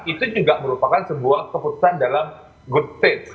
itu juga merupakan sebuah keputusan dalam good stage